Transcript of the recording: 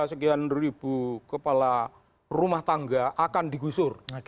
sekian ribu kepala rumah tangga akan digusur